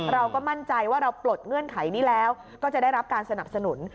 เราก็มั่นใจว่าเราปลดเงื่อนไขนี้แล้วก็จะได้รับการสนับสนุน